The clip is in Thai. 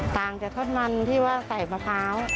ต่างจากทดมันที่ว่าใส่มะพร้าว